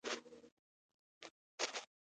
کوتره کوچنۍ خو زړوره مرغه ده.